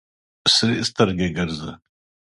سرې سترګې ګرځه.